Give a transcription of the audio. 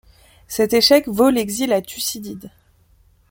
Cet échec vaut l'exil à Thucydide.